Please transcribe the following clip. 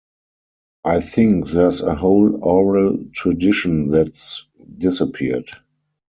I think there's a whole oral tradition that's disappeared.